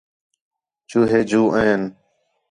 چوہے جوں آئِن